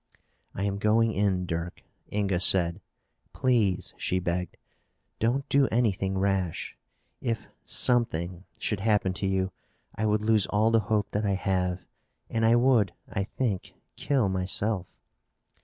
"I am going in, Dirk," Inga said. "Please," she begged, "don't do anything rash. If something should happen to you, I would lose all the hope that I have and I would, I think, kill myself."